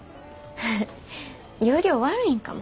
要領悪いんかも。